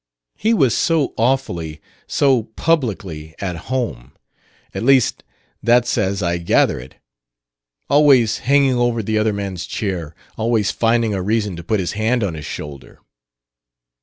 He was so awfully, so publicly, at home; at least that's as I gather it. Always hanging over the other man's chair; always finding a reason to put his hand on his shoulder...."